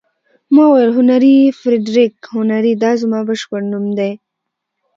ما وویل: هنري، فرېډریک هنري، دا زما بشپړ نوم دی.